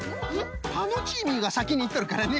タノチーミーがさきにいっとるからね